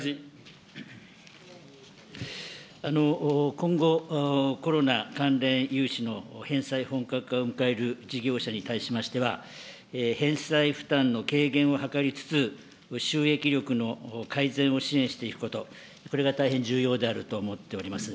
今後、コロナ関連融資の返済本格化を迎える事業者に対しましては、返済負担の軽減を図りつつ、収益力の改善を支援していくこと、これが大変重要であると思っております。